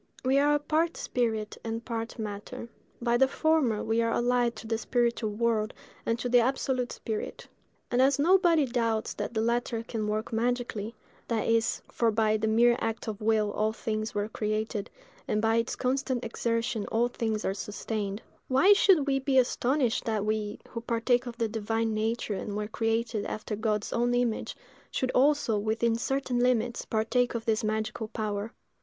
We are part spirit and part matter: by the former we are allied to the spiritual world and to the absolute spirit; and as nobody doubts that the latter can work magically, that is, by the mere act of will—for by the mere act of will all things were created, and by its constant exertion all things are sustained—why should we be astonished that we, who partake of the Divine nature and were created after God's own image, should also, within certain limits, partake of this magical power?